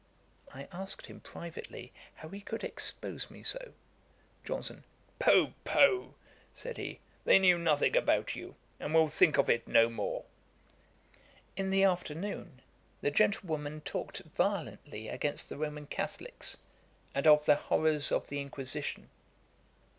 I asked him privately how he could expose me so. JOHNSON. 'Poh, poh! (said he) they knew nothing about you, and will think of it no more.' In the afternoon the gentlewoman talked violently against the Roman Catholicks, and of the horrours of the Inquisition.